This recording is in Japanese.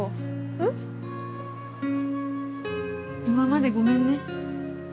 今までごめんね。